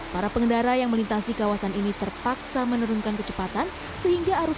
para pengendara yang melintasi kawasan ini terpaksa menurunkan kecepatan sehingga arus